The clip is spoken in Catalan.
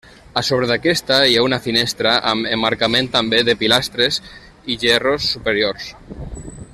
A sobre d'aquesta hi ha una finestra amb emmarcament també de pilastres i gerros superiors.